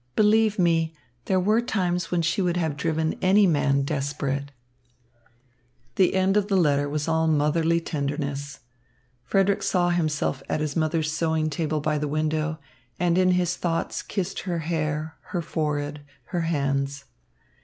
Believe me, there were times when she would have driven any man desperate. The end of the letter was all motherly tenderness. Frederick saw himself at his mother's sewing table by the window, and in his thoughts kissed her hair, her forehead, her hands.